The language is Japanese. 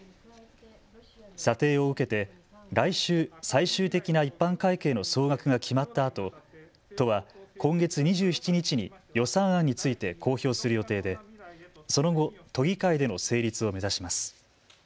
査定を受けて来週、最終的な一般会計の総額が決まったあと都は今月２７日に予算案について公表する予定でその後、都議会での成立を目指します。